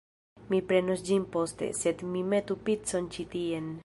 Mi prenos ĝin poste, sed mi metu picon ĉi tien